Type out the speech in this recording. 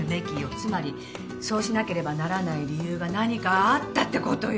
つまりそうしなければならない理由が何かあったって事よ。